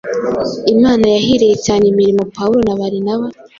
Imana yahiriye cyane imirimo Pawulo na Barinaba